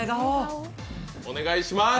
お願いします！